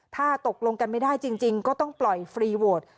ถ้าตกลงกันไม่ได้จริงก็ต้องปล่อยฟรีโวท